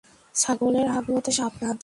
ছাগলের হাগু হতে সাবধান।